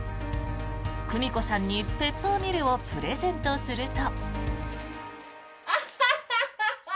久美子さんにペッパーミルをプレゼントすると。